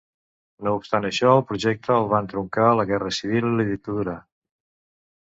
No obstant això, el projecte el van truncar la Guerra Civil i la dictadura.